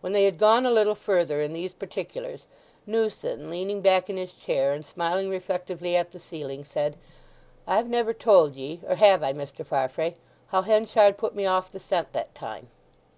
When they had gone a little further in these particulars Newson, leaning back in his chair and smiling reflectively at the ceiling, said, "I've never told ye, or have I, Mr. Farfrae, how Henchard put me off the scent that time?"